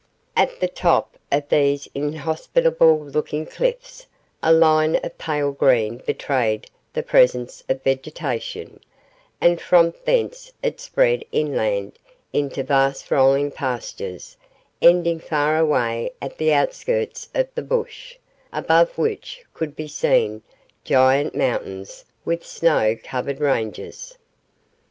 At the top of these inhospitable looking cliffs a line of pale green betrayed the presence of vegetation, and from thence it spread inland into vast rolling pastures ending far away at the outskirts of the bush, above which could be seen giant mountains with snow covered ranges.